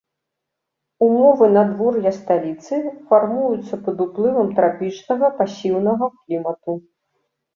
Умовы надвор'я сталіцы фармуюцца пад уплывам трапічнага пасіўнага клімату.